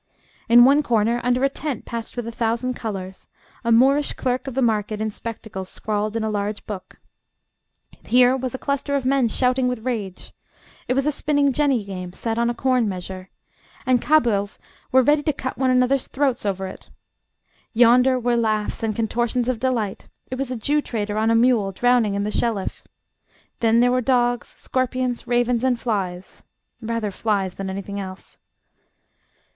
In one corner, under a tent patched with a thousand colours, a Moorish clerk of the market in spectacles scrawled in a large book. Here was a cluster of men shouting with rage: it was a spinning jenny game, set on a corn measure, and Kabyles were ready to cut one another's throats over it. Yonder were laughs and contortions of delight: it was a Jew trader on a mule drowning in the Shelliff. Then there were dogs, scorpions, ravens, and flies rather flies than anything else.